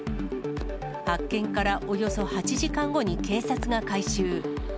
発見からおよそ８時間後に警察が回収。